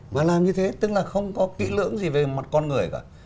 và làm như thế tức là không có kỹ lưỡng gì về mặt con người cả